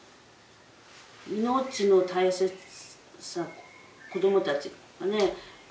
命の大切さと子どもたちとかね。